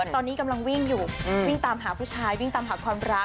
ตอนนี้กำลังวิ่งอยู่วิ่งตามหาผู้ชายวิ่งตามหาความรัก